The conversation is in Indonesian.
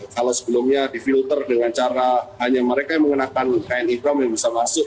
kalau sebelumnya difilter dengan cara hanya mereka yang menggunakan kain ikram yang bisa masuk